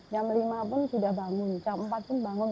jam lima pun sudah bangun jam empat pun bangun